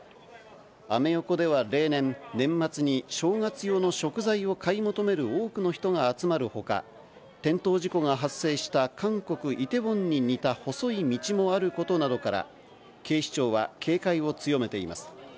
アメ横では例年、年末に正月用の食材を買い求める多くの人が集まるほか、転倒事故が発生した韓国・イテウォンに似た細い道もあることなどから、警視庁は警戒を強めています。